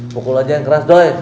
pukul aja yang keras doain